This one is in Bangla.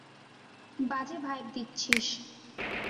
বাজে ভাইব দিচ্ছিস!